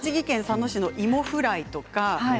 佐野市の芋フライとか。